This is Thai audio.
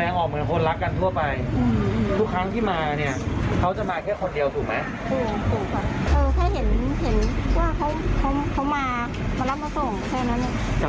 นานหรือยัง๑๐เดือนไม่รู้หลอก